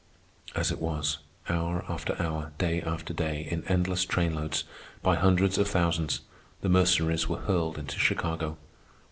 As it was, hour after hour, day after day, in endless train loads, by hundreds of thousands, the Mercenaries were hurled into Chicago.